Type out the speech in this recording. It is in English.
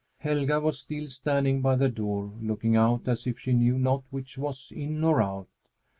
Helga was still standing by the door, looking out, as if she knew not which was in or out.